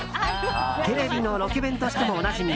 テレビのロケ弁としてもおなじみ